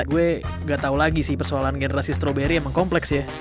gue gak tau lagi sih persoalan generasi stroberi memang kompleks ya